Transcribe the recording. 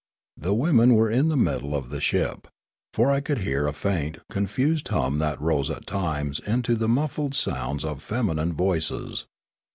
The women were in the middle of the ship ; for I could hear a faint, confused hum that rose at times into the muffled sounds of feminine voices.